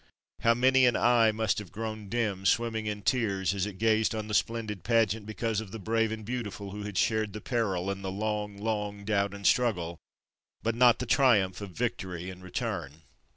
How many an eye must have grown dim, swimming in tears as it gazed on the splendid pageant because of the brave and beautiful who had shared the peril and the long, long doubt and struggle, but not the triumph of victory and return.